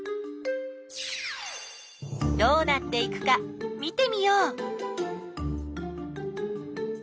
どうなっていくか見てみよう。